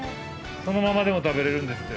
そのままでも食べられるんですって。